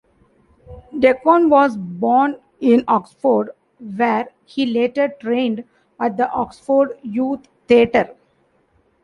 Deacon was born in Oxford, where he later trained at the Oxford Youth Theatre.